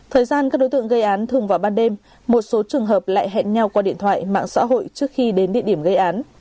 thời gian các đối tượng gây án thường vào ban đêm một số trường hợp lại hẹn nhau qua điện thoại mạng xã hội trước khi đến địa điểm gây án